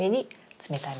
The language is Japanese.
冷たい水？